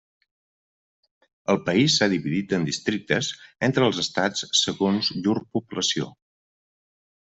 El país s'ha dividit en districtes entre els estats segons llur població.